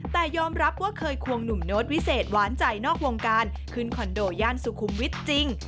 แต่ยอมรับว่าเคยควงหนุ่มโน้ตวิเศษหวานใจนอกวงการขึ้นคอนโดย่านสุขุมวิทย์จริง